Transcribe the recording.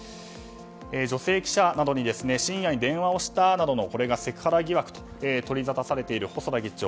女性記者などに深夜に電話をしたことなどがセクハラ疑惑と取りざたされている細田議長。